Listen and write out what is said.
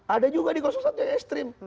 ada juga di satu yang ekstrim